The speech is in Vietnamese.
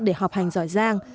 để họp hành giỏi giang